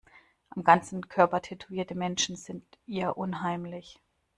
Am ganzen Körper tätowierte Menschen sind ihr unheimlich.